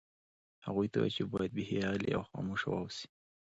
هغوی ته ووایه چې باید بیخي غلي او خاموشه واوسي